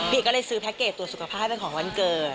ก็เลยซื้อแพ็คเกจตรวจสุขภาพให้เป็นของวันเกิด